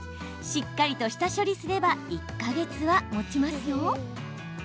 しっかりと下処理すれば１か月はもちますよ。